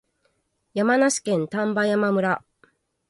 山梨県丹波山村